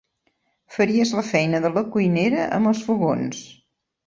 Faries la feina de la cuinera amb els fogons.